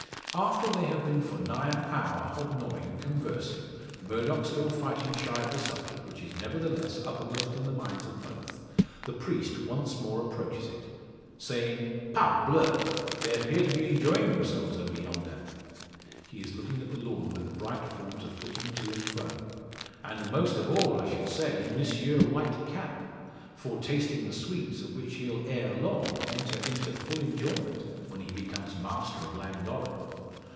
After they have been for nigh an hour hobnobbing, conversing, Murdock still fighting shy of the subject, which is nevertheless uppermost in the minds of both, the priest once more approaches it, saying: "Parbleu! They appear to be enjoying themselves over yonder!" He is looking at the lawn where the bright forms are flitting to and fro. "And most of all, I should say, Monsieur White Cap foretasting the sweets of which he'll ere long enter into full enjoyment; when he becomes master of Llangorren."